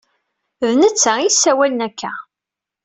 D netta ay yessawalen akka.